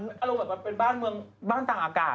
อร่อยเหมือนเป็นบ้านต่างอากาศ